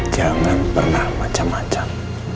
jangan pernah macem macem